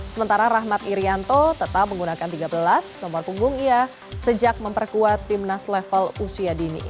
sementara rahmat irianto tetap menggunakan tiga belas nomor punggung ia sejak memperkuat timnas level usia dini